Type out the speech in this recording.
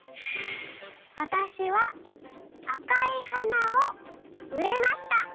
わたしはあかいはなをうえました。